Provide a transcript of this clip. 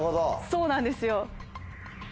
そうなんですよ。